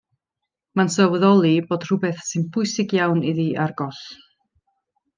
Mae'n sylweddoli bod rhywbeth sy'n bwysig iawn iddi ar goll.